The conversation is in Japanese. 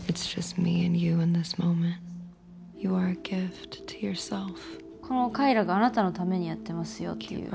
ちょっとこの快楽あなたのためにやってますよっていう。